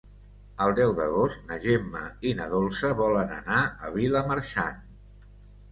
El deu d'agost na Gemma i na Dolça volen anar a Vilamarxant.